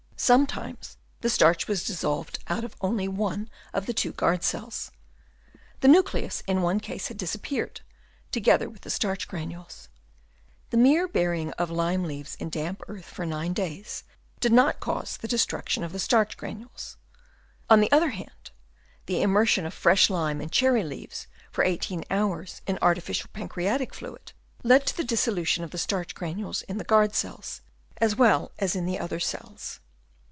Sometimes the starch was dissolved out of only one of the two guard cells. The nucleus in one case had disappeared, together with the starch granules. The mere bury ing of lime leaves in damp earth for nine days did not cause the destruction of the starch granules. On the other hand, the im mersion of fresh lime and cherry leaves for eighteen hours in artificial pancreatic fluid, led to the dissolution of the starch granules in the guard cells as well as in the other cells.